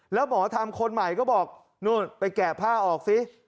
แล้วหมอทำคนใหม่ก็บอกนู่นไปแกะผ้าออกซิ